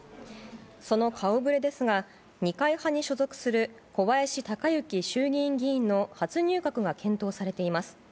その顔ぶれですが二階派に所属する小林鷹之衆議院議員の初入閣が検討されています。